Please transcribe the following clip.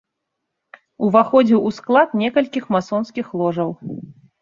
Уваходзіў у склад некалькіх масонскіх ложаў.